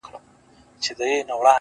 كېداى سي بيا ديدن د سر په بيه وټاكل سي-